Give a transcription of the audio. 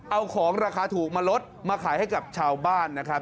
เอาของราคาถูกมาลดมาขายให้กับชาวบ้านนะครับ